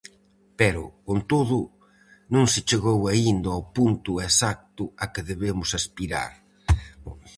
Pero, con todo, non se chegou aínda ao punto exacto a que debemos aspirar.